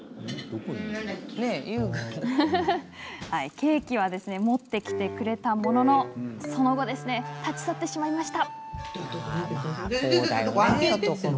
ケーキは持ってきてくれたものの立ち去ってしまいました。